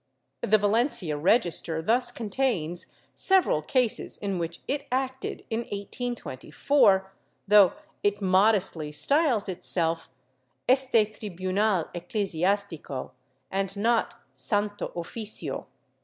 The Valencia register thus contains several cases in which it acted in 1824, though it modestly styles itself "este tribunal eclesiastico" and not "Santo Oficio."